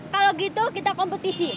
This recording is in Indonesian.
kalau gitu kita kompetisi